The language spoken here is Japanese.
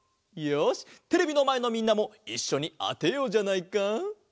よしテレビのまえのみんなもいっしょにあてようじゃないか！